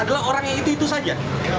adalah orang yang itu itu saja